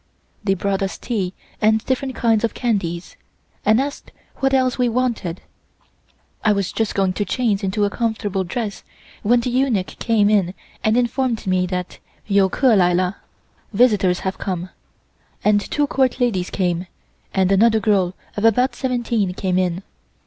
They brought us tea and different kinds of candies, and asked what else was wanted. I was just going to change into a comfortable dress, when the eunuch came in and informed me that "Yo ker lila" (visitors have come), and two Court ladies came, and another girl of about seventeen came in.